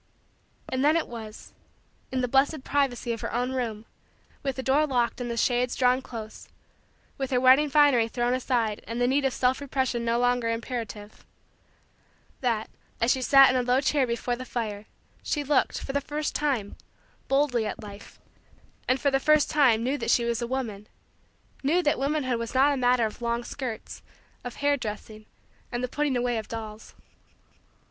And then it was in the blessed privacy of her own room, with the door locked and the shades drawn close, with her wedding finery thrown aside and the need of self repression no longer imperative that, as she sat in a low chair before the fire, she looked, for the first time, boldly at Life and, for the first time, knew that she was a woman knew that womanhood was not a matter of long skirts, of hair dressing, and the putting away of dolls.